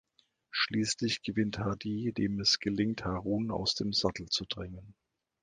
Schließlich gewinnt Hadi, dem es gelingt, Harun aus dem Sattel zu drängen.